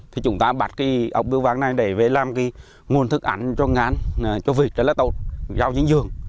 thì chúng ta bắt cái ốc bưu vàng này để làm cái nguồn thức ảnh cho ngán cho vịt cho lá tột giao dính dường